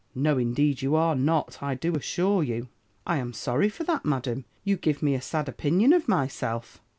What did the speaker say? "'No indeed, you are not, I do assure you.' "'I am sorry for that. Madam; you give me a sad opinion of myself.'"